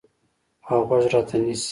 اوغوږ راته نیسي